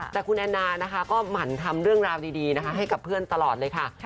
แต่คุณแอนนานะคะก็หมั่นทำเรื่องราวดีนะคะให้กับเพื่อนตลอดเลยค่ะ